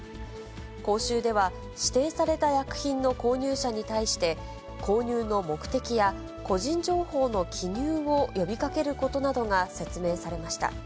講習では、指定された薬品の購入者に対して、購入の目的や個人情報の記入を呼びかけることなどが説明されました。